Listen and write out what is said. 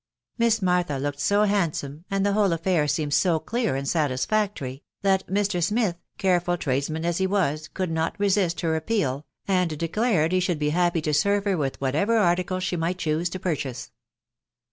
Miss Martha looked so handsome, and the whole affair seemed so clear and satisfactory, that Mr. Smith, careful tradesman as he was, could not resist her appeal, and declared he should be happy to serve her with whatever articles she might choose to purchase.